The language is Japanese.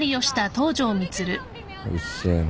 うっせえな。